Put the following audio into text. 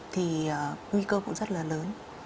thì nguy cơ cũng rất là lớn